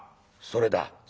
それだ。